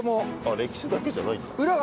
歴史だけじゃないんだ。